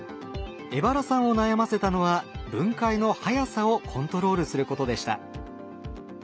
荏原さんを悩ませたのは分解のはやさをコントロールすることでした。